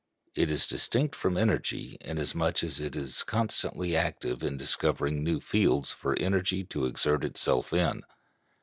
It is distinct from energy, inasmuch as it is constantly active in discovering new fields for energy to exert itself in.